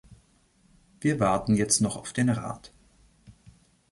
Wir warten jetzt noch auf den Rat.